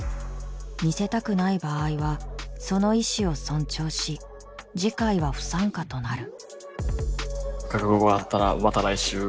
見せたくない場合はその意思を尊重し次回は不参加となる。